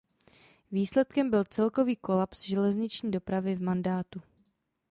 Výsledkem byl celkový kolaps železniční dopravy v mandátu.